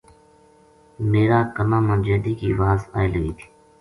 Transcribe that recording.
میرا کَنا ں ما جیدی کی واز آئے لگی تھی